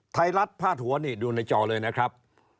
ไทยรัฐพาดหัวนี่ดูในจอเลยนะครับ